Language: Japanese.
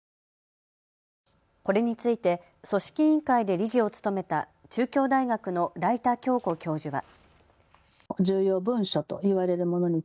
これについて組織委員会で理事を務めた中京大学の來田亨子教授は。